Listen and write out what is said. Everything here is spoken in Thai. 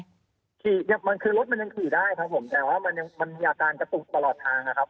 รถมันยังขี่ได้ครับผมแต่ว่ามันมีอาการกระตุกปลอดทางนะครับ